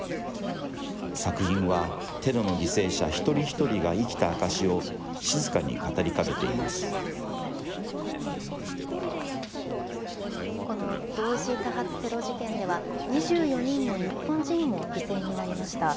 作品はテロの犠牲者一人一人が生きた証しを静かに語りかけていまこの同時多発テロ事件では、２４人の日本人も犠牲になりました。